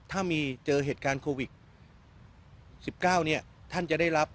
ถ้ามีเจอเหตุการณ์โควิด๑๙เนี่ยท่านจะได้รับ